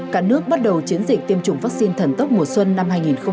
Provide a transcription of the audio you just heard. cả nước bắt đầu chiến dịch tiêm chủng vaccine thần tốc mùa xuân năm hai nghìn hai mươi